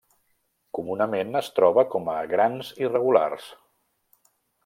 Comunament es troba com a grans irregulars.